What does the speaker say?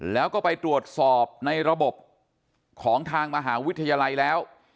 แล้วก็ไปตรวจสอบในระบบของทางมหาวิทยาลัยแล้ว